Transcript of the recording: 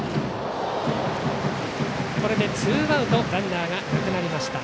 ツーアウトランナーなくなりました。